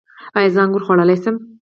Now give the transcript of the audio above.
ایا زه انګور خوړلی شم؟